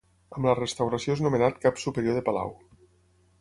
Amb la restauració és nomenat Cap Superior de Palau.